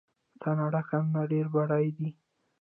د کاناډا کانونه ډیر بډایه دي.